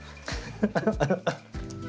ハハハハッ。